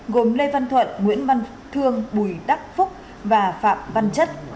gồm lê văn thuận nguyễn văn thương bùi đắc phúc và phạm văn chất